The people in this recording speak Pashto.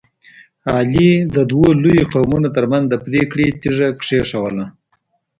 علي د دوو لویو قومونو ترمنځ د پرېکړې تیږه کېښودله.